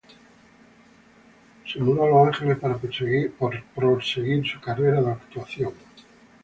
Se mudó a Los Ángeles para perseguir su carrera de actuación.